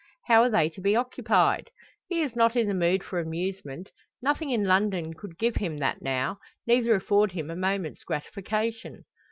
How are they to be occupied? He is not in the mood for amusement. Nothing in London could give him that now neither afford him a moment's gratification.